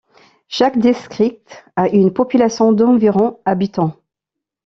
Chaque district a une population d'environ habitants.